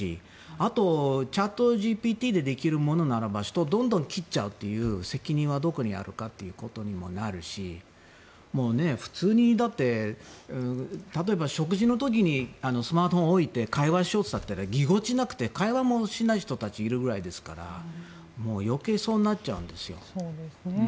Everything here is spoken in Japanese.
あとチャットＧＰＴでできるものなら人をどんどん切っちゃうという責任はどこにあるかということにもなるし例えば、食事の時にスマートフォンを置いて会話をしようとしたらぎこちなくて会話もしない人たちいるぐらいですから余計にそうなっちゃうんです。